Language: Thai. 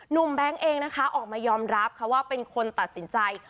แบงค์เองนะคะออกมายอมรับค่ะว่าเป็นคนตัดสินใจ